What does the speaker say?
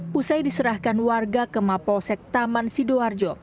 pusai diserahkan warga ke mapolsek taman sidoarjo